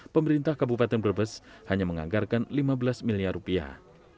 pemerintah kabupaten brebes hanya menganggarkan lima belas miliar rupiah